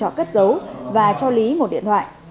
trong trọ kết dấu và cho lý một điện thoại